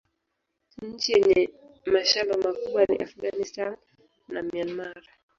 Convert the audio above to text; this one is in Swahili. Nchi yenye mashamba makubwa ni Afghanistan na Myanmar.